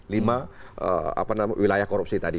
lima wilayah korupsi tadi